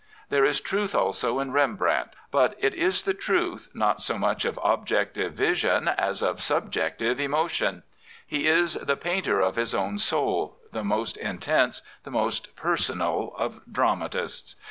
There is truth also in Rembrandt; but it is the truth not so much of objective vision as of subjective 39 Prophets, Priests, and Kings emotion. He is the painter of his own soul, the most intense, the most personal of dramatists.